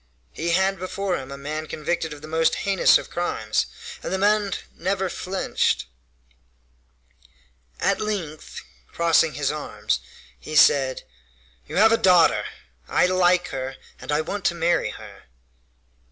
He had before him a man convicted of the most heinous of crimes, and the man never flinched. At length, crossing his arms, he said: "You have a daughter! I like her and I want to marry her!"